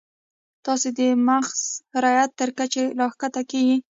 تاسو د محض رعیت تر کچې راښکته کیږئ.